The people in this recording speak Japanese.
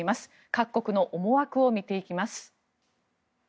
各国の思惑を見ていきます。